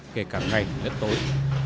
kể cả ngày đất tối